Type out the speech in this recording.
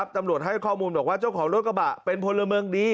ตำรวจให้ข้อมูลบอกว่าเจ้าของรถกระบะเป็นพลเมืองดี